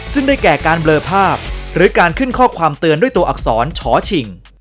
ซึ่งได้แก่การเบลอภาพหรือการขึ้นข้อความเตือนด้วยตัวอักษรช้อชิง